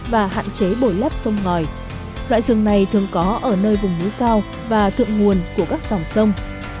và hạn chế bồi lấp sông ngòi loại rừng này thường có ở nơi vùng núi cao và thượng nguồn của các dòng sông